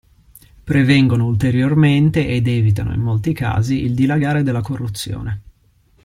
Prevengono ulteriormente ed evitano in molti casi il dilagare della corruzione.